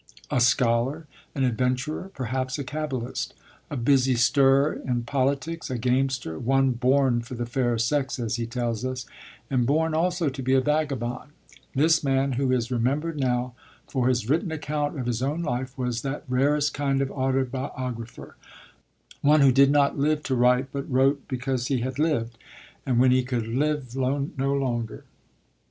A scholar, an adventurer, perhaps a Cabalist, a busy stirrer in politics, a gamester, one 'born for the fairer sex,' as he tells us, and born also to be a vagabond; this man, who is remembered now for his written account of his own life, was that rarest kind of autobiographer, one who did not live to write, but wrote because he had lived, and when he could live no longer.